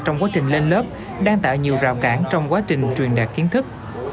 trong quá trình lên lớp đang tạo nhiều rào cản trong quá trình truyền đạt kiến thức